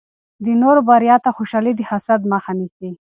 د نورو بریا ته خوشحالي د حسد مخه نیسي.